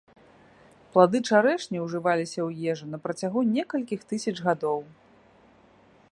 Плады чарэшні ўжываліся ў ежу на працягу некалькіх тысяч гадоў.